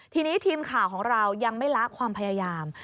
ทีนี้ทีมข่าวของเรายังไม่ละความพยายาม